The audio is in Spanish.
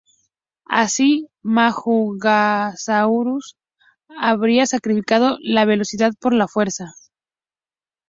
Así "Majungasaurus" habría sacrificado la velocidad por la fuerza.